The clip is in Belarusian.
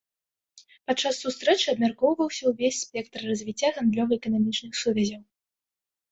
Падчас сустрэчы абмяркоўваўся ўвесь спектр развіцця гандлёва-эканамічных сувязяў.